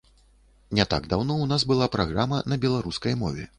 Не так даўно ў нас была праграма на беларускай мове.